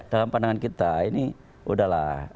dalam pandangan kita ini udahlah